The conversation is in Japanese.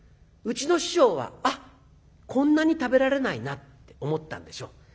うちの師匠は「あっこんなに食べられないな」って思ったんでしょう。